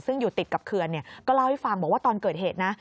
ซึ่งอยู่ติดกับเขื่อนก็เล่าให้ฟังบอกว่าตอนเกิดเหตุนะ